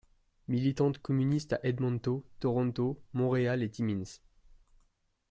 Militante communiste à Edmonton, Toronto, Montréal et Timmins.